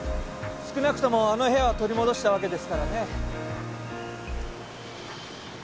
少なくともあの部屋は取り戻したわけですからね。